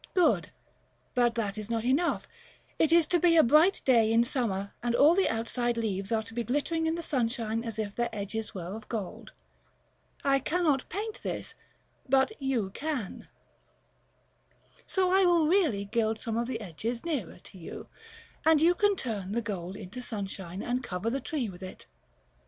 Good: but that is not enough; it is to be a bright day in summer, and all the outside leaves are to be glittering in the sunshine as if their edges were of gold: I cannot paint this, but you can; so I will really gild some of the edges nearest you, and you can turn the gold into sunshine, and cover the tree with it.